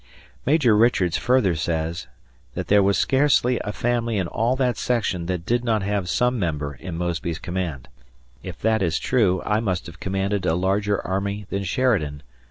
Major Richards further says "that there was scarcely a family in all that section that did not have some member in Mosby's command." If that is true, I must have commanded a larger army than Sheridan.